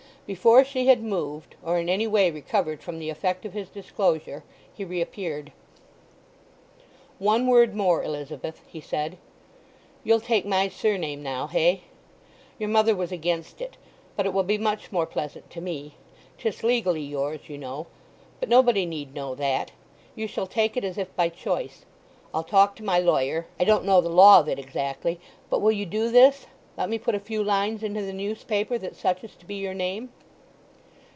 Before she had moved, or in any way recovered from the effect of his disclosure, he reappeared. "One word more, Elizabeth," he said. "You'll take my surname now—hey? Your mother was against it, but it will be much more pleasant to me. 'Tis legally yours, you know. But nobody need know that. You shall take it as if by choice. I'll talk to my lawyer—I don't know the law of it exactly; but will you do this—let me put a few lines into the newspaper that such is to be your name?"